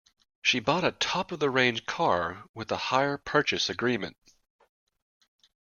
She bought a top-of-the-range car with a hire purchase agreement